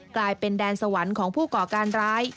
กลายเป็นแดนสวรรค์ของผู้ก่อการร้าย